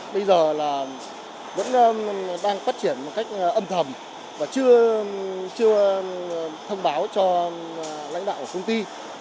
bây giờ là vẫn đang phát triển một cách âm thầm và chưa thông báo cho lãnh đạo của công ty